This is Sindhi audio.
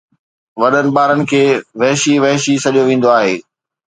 وڏن ٻارن کي وحشي وحشي سڏيو ويندو آهي